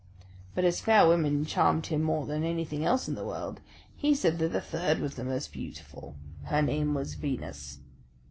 But as fair women charmed him more than anything else in the world, he said that the third was the most beautiful her name was Venus.